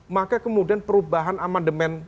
maka kemudian perubahan amandemen